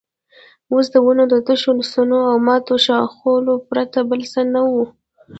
اوس د ونو د تشو تنو او ماتو ښاخلو پرته بل څه نه وو.